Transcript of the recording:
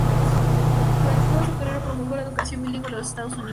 Durante toda su carrera promulgó la educación bilingüe en los Estados Unidos.